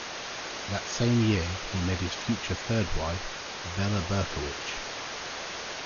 That same year, he met his future third wife, Bella Berkowich.